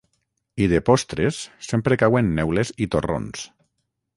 I de postres, sempre cauen neules i torrons.